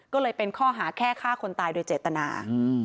ก็เลยเป็นข้อหาแค่ฆ่าคนตายโดยเจตนา